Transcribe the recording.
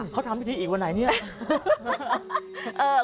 เขาทำพิธีอีกวันไหนเนี่ย